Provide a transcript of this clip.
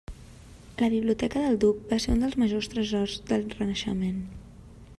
La biblioteca del duc va ser un dels majors tresors del Renaixement.